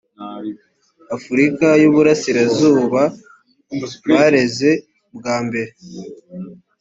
afurika y iburasirazuba bareze bwa mbere